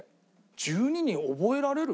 １２人覚えられる？